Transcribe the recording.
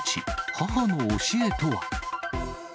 母の教えとは。